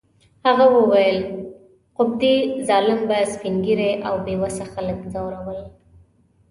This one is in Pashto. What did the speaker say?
هغه وویل: قبطي ظالم به سپین ږیري او بې وسه خلک ځورول.